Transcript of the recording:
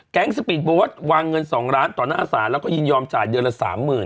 แก๊งสปีดบวชวางเงินสองล้านต่อหน้าสารแล้วก็ยินยอมจ่ายเดือนละสามหมื่น